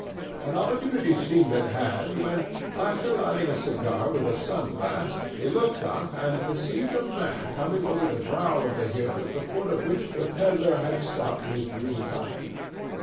An opportunity seemed at hand when, after lighting a cigar with a sun glass, he looked up and perceived a man coming over the brow of the hill at the foot of which the pedler had stopped his green cart.